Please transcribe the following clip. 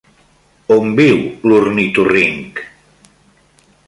On viu l'ornitorrinc?